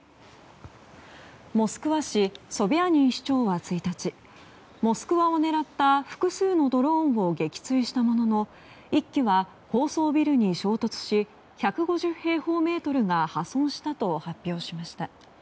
モスクワ市ソビャーニン市長は１日モスクワを狙った複数のドローンを撃墜したものの１機は高層ビルに衝突し１５０平方メートルが破損したと発表しました。